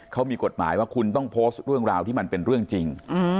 เขามีกฎหมายว่าคุณต้องโพสต์เรื่องราวที่มันเป็นเรื่องจริง